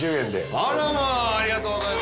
ありがとうございます。